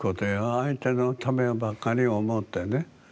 相手のためをばかりを思ってね。